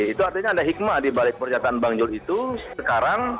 itu artinya ada hikmah dibalik pernyataan bang jul itu sekarang